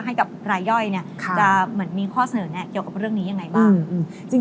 ให้กับรายย่อยจะเหมือนมีข้อเสนอแนะเกี่ยวกับเรื่องนี้ยังไงบ้าง